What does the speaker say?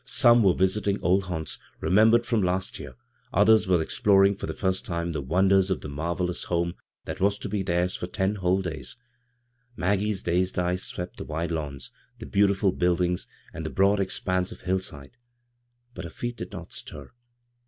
Some. were visiting old haunts, remembered from last year ; others were exploring for the first time the wonders of the marvelous home that was to be theirs for ten whole days. Maggie's dazed eyes swept the wide lawns, the beautiful buildings, and the broad ex panse of hillnde, but her feet did not stir.